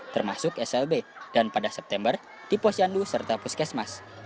termasuk slb dan pada september di posyandu serta puskesmas